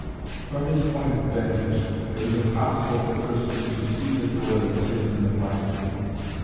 From his point of vantage it was impossible for Tristan to see the door that was hidden in the black gloom.